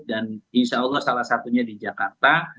dan insya allah salah satunya di jakarta